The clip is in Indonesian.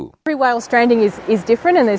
setiap perjalanan ikan paus berbeda